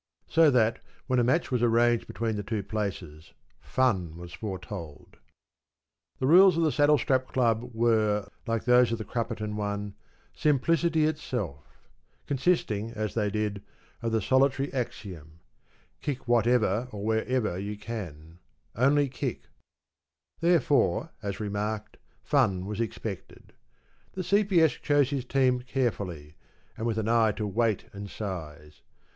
So that, when a match was arranged between the two places, fun was foretold. The rules of the Saddlestrap club were, like those of the Crupperton one, simplicity itself, consisting, as they did, of the solitary axiom—‘Kick whatever or wherever you can, only kick.’ Therefore, as remarked, fun was expected. The C.P.S. chose his team carefully, and with an eye to weight and size.